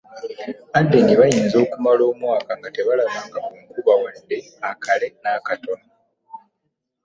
Aden bayinza okumala omwaka nga tebalabanga ku nkuba wadde akale n'akatono.